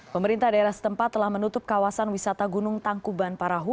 pemerintah daerah setempat telah menutup kawasan wisata gunung tangkuban parahu